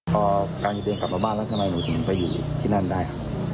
พอกำลังจะเดินกลับมาบ้านแล้วทำไมหนูถึงไปอยู่ที่นั่นได้